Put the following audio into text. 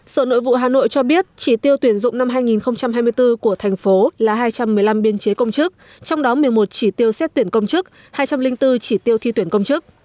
sở nội vụ hà nội cho biết chỉ tiêu tuyển dụng năm hai nghìn hai mươi bốn của thành phố là hai trăm một mươi năm biên chế công chức trong đó một mươi một chỉ tiêu xét tuyển công chức hai trăm linh bốn chỉ tiêu thi tuyển công chức